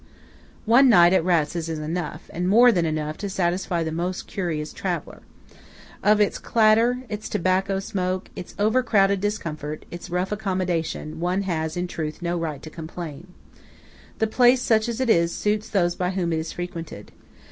One night at Ratzes is enough, and more than enough, to satisfy the most curious traveller. Of its clatter, its tobacco smoke, its over crowded discomfort, its rough accommodation, one has in truth no right to complain. The place, such as it is, suits those by whom it is frequented.